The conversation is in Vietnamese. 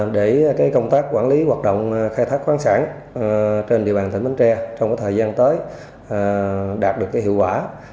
để công tác quản lý hoạt động khai thác khoáng sản trên địa bàn tỉnh bến tre trong thời gian tới đạt được hiệu quả